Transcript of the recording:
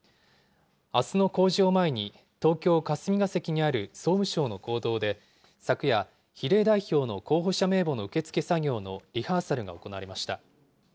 あすの公示を前に、東京・霞が関にある総務省の講堂で、昨夜、比例代表の候補者名簿の受け付け作業のリハーサルが行われました。